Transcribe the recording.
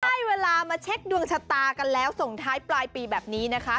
ได้เวลามาเช็คดวงชะตากันแล้วส่งท้ายปลายปีแบบนี้นะคะ